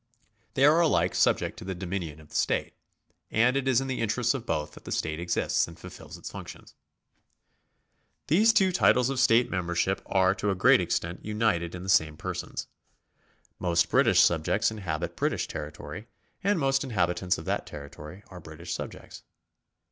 They are alike subject to the dominion of the state, and it is in the interests of both that the state exists and fulfils its functions. These two titles of state membership are to a great extent united in the same persons. Most British subjects inhabit British territory, and most inhabitants of that territory are British subjects.